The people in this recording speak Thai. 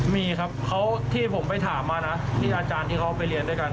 มีครับเขาที่ผมไปถามมานะที่อาจารย์ที่เขาไปเรียนด้วยกัน